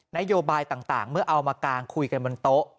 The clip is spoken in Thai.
นโยบายต่างเมื่อเอามากางคุยกันบนโต๊ะ